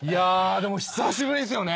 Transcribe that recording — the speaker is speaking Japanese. でも久しぶりですよね。